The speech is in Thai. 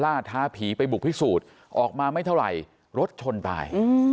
ท้าผีไปบุกพิสูจน์ออกมาไม่เท่าไหร่รถชนตาย